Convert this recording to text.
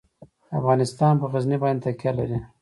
افغانستان په غزني باندې تکیه لري.